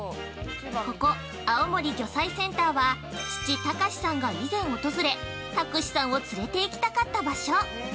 ◆ここ、青森魚菜センターは父・隆司さんが以前訪れ拓司さんを連れていきたかった場所。